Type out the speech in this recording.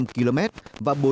một trăm chín mươi năm km và